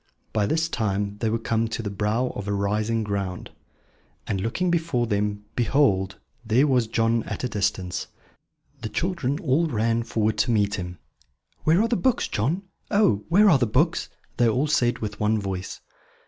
By this time they were come to the brow of a rising ground; and looking before them, behold, there was John at a distance! The children all ran forward to meet him. "Where are the books, John? Oh, where are the books?" they all said with one voice.